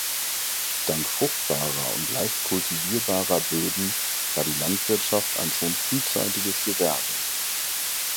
Dank fruchtbarer und leicht kultivierbarer Böden war die Landwirtschaft ein schon frühzeitiges Gewerbe.